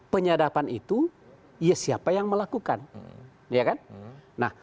penyadapan itu ya siapa yang melakukan